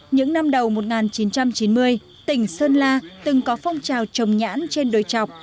những năm đầu một nghìn chín trăm chín mươi tỉnh sơn la từng có phong trào trồng nhãn trên đồi trọc